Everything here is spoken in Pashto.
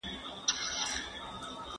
ژوند یو ازمون دی.